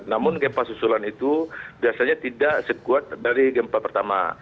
namun gempa susulan itu biasanya tidak sekuat dari gempa pertama